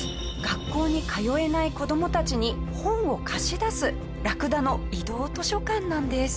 学校に通えない子どもたちに本を貸し出すラクダの移動図書館なんです。